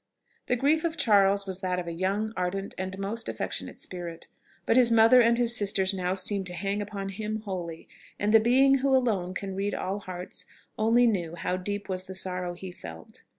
The grief of Charles was that of a young, ardent, and most affectionate spirit; but his mother and his sisters now seemed to hang upon him wholly, and the Being who alone can read all hearts only knew how deep was the sorrow he felt.